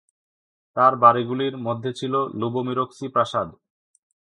তার বাড়িগুলির মধ্যে ছিল লুবোমিরস্কি প্রাসাদ।